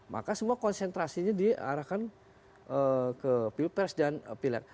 maka semua konsentrasinya diarahkan ke pilpres dan pileg